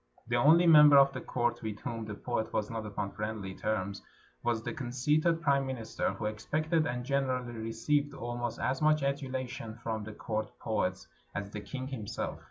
The only member of the court with whom the poet was not upon friendly terms was the conceited prime minister, who expected, and generally received almost as much adulation from the court poets as the king him self.